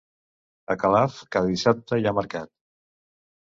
A Calaf, cada dissabte hi ha mercat